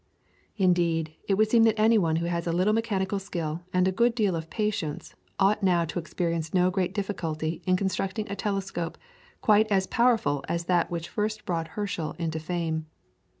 Indeed, it would seem that any one who has a little mechanical skill and a good deal of patience ought now to experience no great difficulty in constructing a telescope quite as powerful as that which first brought Herschel into fame.